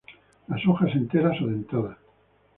Las hojas enteras o dentadas.